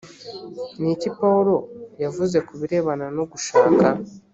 ni iki pawulo yavuze ku birebana no gushaka